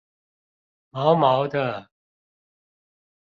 毛毛的